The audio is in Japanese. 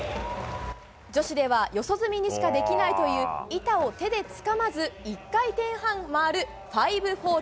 女子では四十住にしかできないという、板を手でつかまず１回転半回る５４０。